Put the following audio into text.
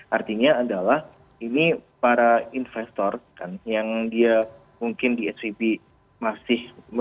artinya adalah ini para investor kan yang dia mungkin di svb masih